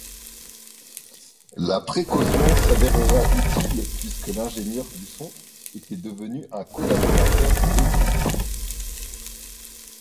La précaution s'avérera utile puisque l'ingénieur du son était devenu un collaborateur zélé.